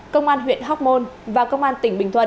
công an huyện hóc môn và công an tỉnh bình thuận